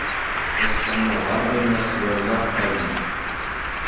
Кӑшт канма лартӑм та ҫывӑрсах кайнӑ.